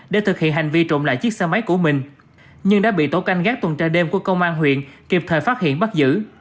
để thực hiện hành vi trộm lại chiếc xe máy của mình nhưng đã bị tổ canh gác tuần tra đêm của công an huyện kịp thời phát hiện bắt giữ